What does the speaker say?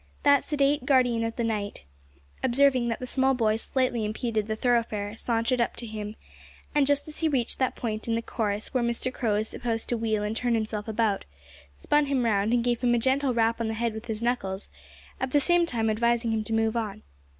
That sedate guardian of the night, observing that the small boy slightly impeded the thoroughfare, sauntered up to him, and just as he reached that point in the chorus where Mr Crow is supposed to wheel and turn himself about, spun him round and gave him a gentle rap on the head with his knuckles, at the same time advising him to move on.